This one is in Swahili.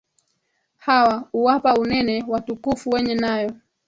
Hawa, uwapa unene, watukufu wenye nayo